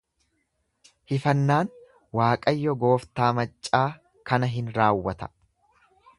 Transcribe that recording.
Hifannaan Waaqayyo gooftaa maccaa kana in raawwata.